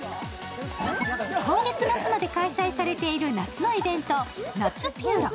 今月末まで開催されている夏のイベント、夏ぴゅーろ。